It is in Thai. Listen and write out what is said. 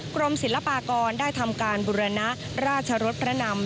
กรมศิลปากรได้ทำการบุรณะราชรสพระนำ